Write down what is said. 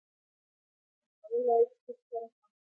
کچالو له کیچپ سره خوند کوي